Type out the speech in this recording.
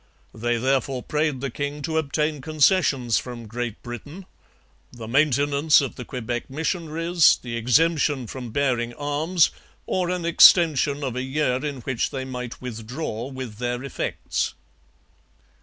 They therefore prayed the king to obtain concessions from Great Britain the maintenance of the Quebec missionaries, the exemption from bearing arms, or an extension of a year in which they might withdraw with their effects.